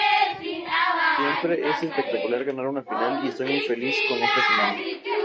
Sir Adrian Boult condujo, y Clifford Curzon fue el solista.